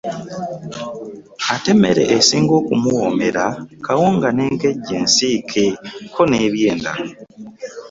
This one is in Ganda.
Ate emmere esinga okumuwoomera kawunga n’enkejje ensiike ko n’ebyenda.